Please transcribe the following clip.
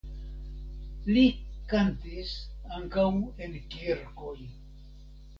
Li kantis ankaŭ en kirkoj.